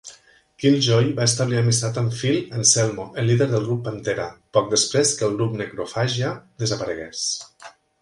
Killjoy va establir amistat amb Phil Anselmo, el líder del grup Pantera, poc després que el grup Necroophagia desaparegués.